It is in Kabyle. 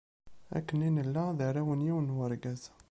Akken ma nella, d arraw n yiwen n wergaz.